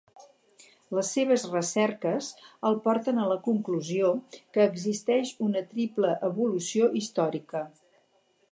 Les seves recerques el porten a la conclusió que existeix una triple evolució històrica.